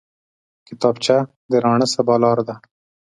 کتابچه د راڼه سبا لاره ده